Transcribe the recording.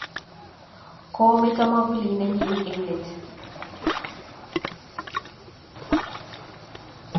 Koo meto mwavulit nenyi eng let